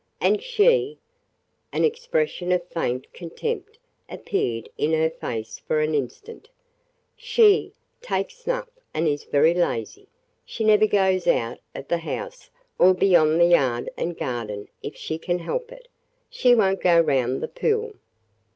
And she" – an expression of faint contempt appeared in her face for an instant, – "she – takes snuff and is very lazy. She never goes out of the house or beyond the yard and garden if she can help it. She won't go round the pool."